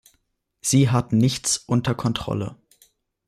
Sie hat nichts unter Kontrolle!